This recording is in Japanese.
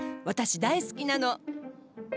私大好きなの。